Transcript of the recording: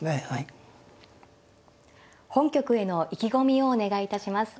本局への意気込みをお願いいたします。